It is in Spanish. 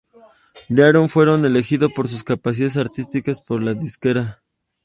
Byron fue elegido por sus capacidades artísticas por la disquera.